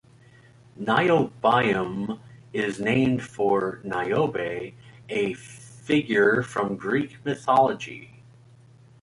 Niobium is named for Niobe, a figure from Greek mythology.